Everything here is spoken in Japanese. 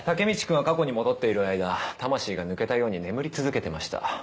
君は過去に戻っている間魂が抜けたように眠り続けてました。